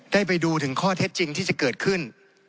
ได้ไปดูถึงข้อเท็จจริงที่จะเกิดขึ้น